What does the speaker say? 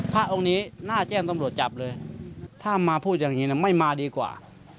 พระองค์นี้น่าแจ้งตำรวจจับเลยถ้ามาพูดอย่างนี้ไม่มาดีกว่า